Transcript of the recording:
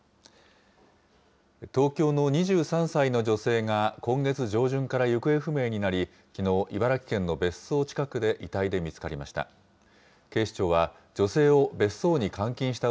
東京の２３歳の女性が、今月上旬から行方不明になり、きのう、茨城県の別荘近くで遺体で見つかりました。